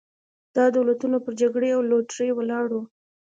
دا دولتونه پر جګړې او لوټرۍ ولاړ وو.